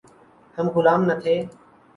ہم غلام نہ تھے۔